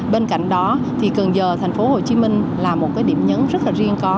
bên cạnh đó thì cần giờ thành phố hồ chí minh là một cái điểm nhấn rất là riêng có